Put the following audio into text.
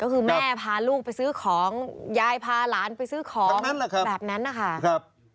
คือซื้อของแบบนั้นนะครับ